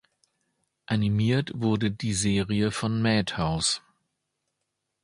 Animiert wurde die Serie von Madhouse.